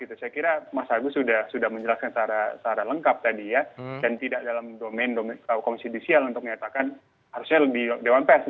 saya kira mas agus sudah menjelaskan secara lengkap tadi ya dan tidak dalam domain komisi judisial untuk menyatakan harusnya lebih dewan pers